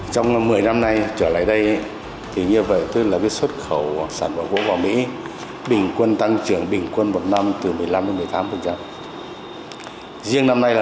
trong một mươi năm nay trở lại đây xuất khẩu sản phẩm gỗ vào mỹ bình quân tăng trưởng bình quân một năm từ một mươi năm đến một mươi tám riêng năm nay là một mươi tám